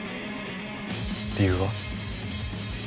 理由は？